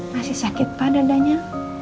masih sakit pak dadanya